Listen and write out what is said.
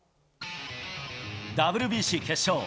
ＷＢＣ決勝。